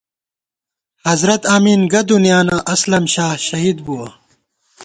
حضرت آمین گہ دُنیانہ ، اسلم شاہ شہید بُوَہ